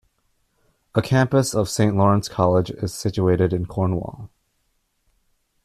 A campus of St. Lawrence College is situated in Cornwall.